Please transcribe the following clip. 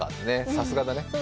さすがだね。